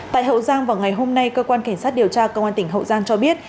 tại hậu giang vào ngày hôm nay cơ quan cảnh sát điều tra công an tỉnh hậu giang cho biết